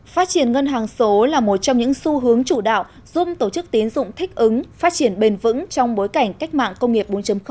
phát triển ngân hàng số là một trong những xu hướng chủ đạo giúp tổ chức tín dụng thích ứng phát triển bền vững trong bối cảnh cách mạng công nghiệp bốn